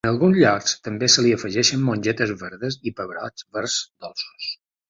En alguns llocs també se li afegeixen mongetes verdes i pebrots verds dolços.